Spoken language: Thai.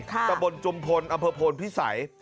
ตะบนจุมพลอำเภอโพนพิสัย